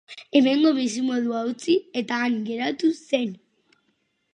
Hemengo bizimodua utzi eta han geratu zen.